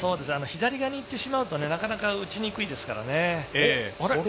左側に行ってしまうと、なかなか打ちにくいですからね。